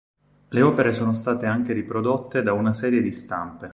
Le opere sono state anche riprodotte da una serie di stampe.